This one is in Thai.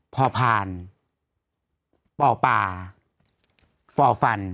พ่อพันธุ์ป่อป่าฟอฟันธุ์